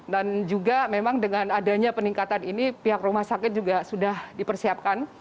dan juga memang dengan adanya peningkatan ini pihak rumah sakit juga sudah dipersiapkan